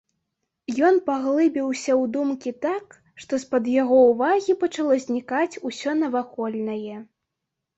Ён паглыбіўся ў думкі так, што з-пад яго ўвагі пачало знікаць усё навакольнае.